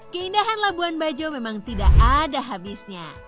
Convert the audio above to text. keindahan labuan bajo memang tidak ada habisnya